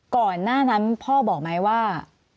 ก่อนหน้านั้นพ่อบอกไหมว่า